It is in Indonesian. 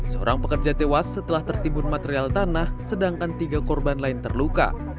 seorang pekerja tewas setelah tertimbun material tanah sedangkan tiga korban lain terluka